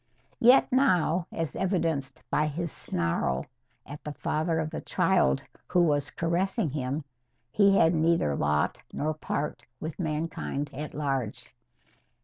Yet now, as evidenced by his snarl at the father of the child who was caressing him, he had neither lot nor part with mankind at large.